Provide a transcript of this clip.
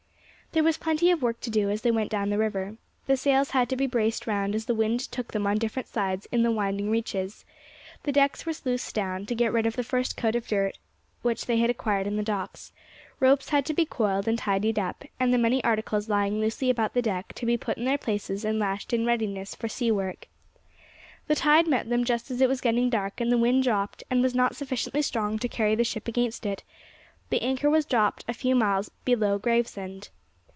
There was plenty of work to do as they went down the river. The sails had to be braced round as the wind took them on different sides in the winding reaches; the decks were sluiced down, to get rid of the first coat of dirt which they had acquired in the docks; ropes had to be coiled and tidied up, and the many articles lying loosely about the deck to be put in their places and lashed in readiness for sea work. The tide met them just as it was getting dark, and as the wind dropped, and was not sufficiently strong to carry the ship against it, the anchor was dropped a few miles below Gravesend.